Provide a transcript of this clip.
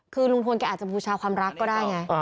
คือลุงทวนแกอาจจะบูชาความรักก็ได้ไง